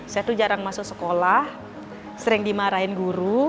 saya tuh jarang masuk sekolah sering dimarahin guru